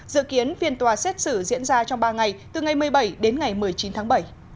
dự kiến phiên tòa xét xử diễn ra trong ba ngày từ ngày một mươi bảy đến ngày một mươi chín tháng bảy